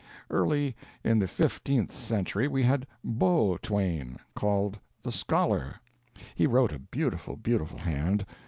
Early in the fifteenth century we have Beau Twain, called "the Scholar." He wrote a beautiful, beautiful hand.